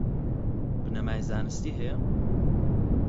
بنەمای زانستی هەیە؟